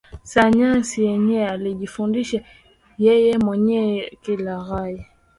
Sayansi yenyewe alijifundisha yeye mwenyewe kilaghai